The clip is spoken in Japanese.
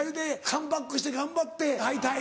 カムバックして頑張って敗退。